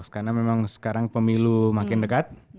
karena memang sekarang pemilu makin dekat